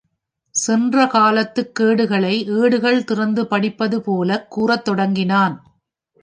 சென்ற காலத்துக் கேடுகளை ஏடுகள் திறந்து படிப்பதுபோலக் கூறத் தொடங்கினான்.